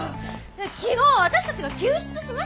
昨日私たちが救出しましたよね？